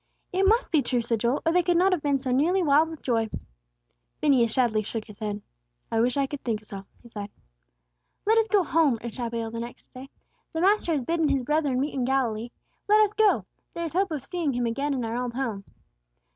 "It must be true," said Joel, "or they could not have been so nearly wild with joy." Phineas sadly shook his head. "I wish I could think so," he sighed. "Let us go home," urged Abigail, the next day, "the Master has bidden His brethren meet Him in Galilee. Let us go. There is hope of seeing Him again in our old home!"